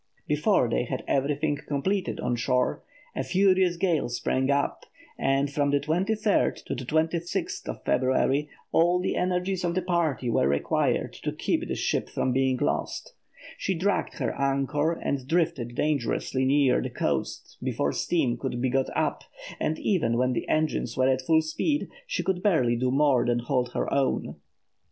Before they had everything completed on shore, a furious gale sprang up, and from February 23 to 26 all the energies of the party were required to keep the ship from being lost. She dragged her anchor and drifted dangerously near the coast before steam could be got up, and even when the engines were at full speed, she could barely do more than hold her own.